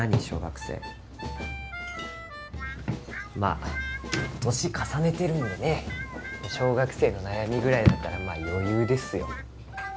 小学生まあ年重ねてるんでね小学生の悩みぐらいだったらまあ余裕ですよ